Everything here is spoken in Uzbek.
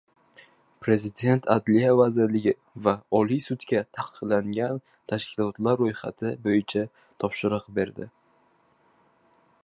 Prezident Adliya vazirligi va Oliy sudga taqiqlangan tashkilotlar ro‘yxati bo‘yicha topshiriq berdi